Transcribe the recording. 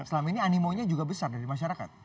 selama ini animonya juga besar dari masyarakat